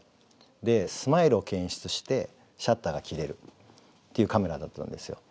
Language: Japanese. でスマイルを検出してシャッターが切れるっていうカメラだったんですよ。